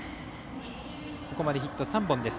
ここまでヒット３本です。